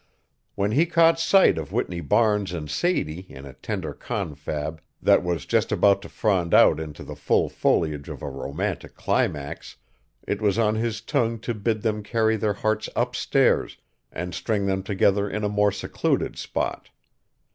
When he caught sight of Whitney Barnes and Sadie in a tender confab that was just about to frond out into the full foliage of a romantic climax, it was on his tongue to bid them carry their hearts upstairs and string them together in a more secluded spot.